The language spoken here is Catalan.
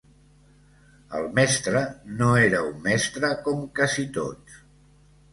El mestre, no era un mestre com casi tots.